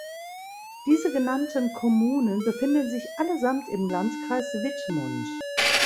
Diese genannten Kommunen befinden sich allesamt im Landkreis Wittmund.